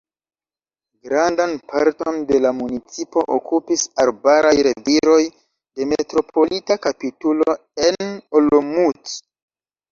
Grandan parton de la municipo okupis arbaraj reviroj de Metropolita kapitulo en Olomouc.